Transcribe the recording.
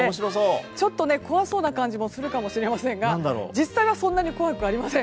ちょっと怖そうな感じもするかもしれませんが実際は怖くありません。